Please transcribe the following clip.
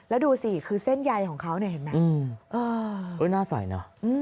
แล้วดูสิคือเส้นใยของเขาเห็นไหม